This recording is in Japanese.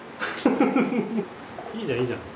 いいじゃんいいじゃん。